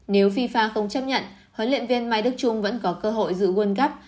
nếu fifa không chấp nhận huấn luyện viên mai đức trung vẫn có cơ hội giữ world cup